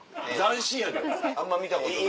あんま見たことない。